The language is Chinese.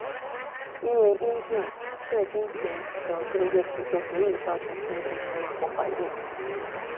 因为阴茎射精前流出的液体就足以造成性病传染或怀孕。